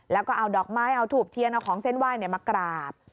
แล้วก็เอาดอกไม้เอาถูบเทียนเอาของเส้นไหว้มากราบ